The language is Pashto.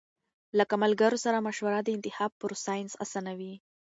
له ملګرو سره مشوره د انتخاب پروسه آسانوي.